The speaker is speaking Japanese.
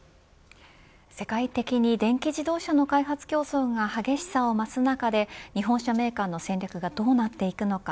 世界的に電気自動車の開発競争が激しさを増す中で日本車メーカーの戦略がどうなっていくのか。